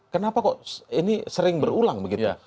kenapa kok ini sering berulang begitu